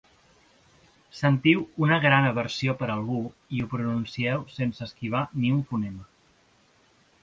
Sentiu una gran aversió per algú i ho pronuncieu sense esquivar ni un fonema.